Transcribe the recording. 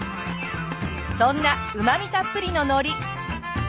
そんなうま味たっぷりの海苔。